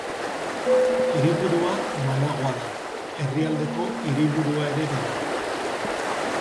Hiriburua Managua da, herrialdeko hiriburua ere dena.